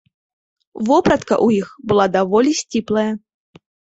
Вопратка ў іх была даволі сціплая.